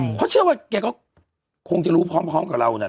เพราะเชื่อว่าแกก็คงจะรู้พร้อมกับเรานั่นแหละ